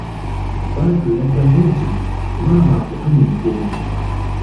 Badru yaddamu nti:"maama akutumidde"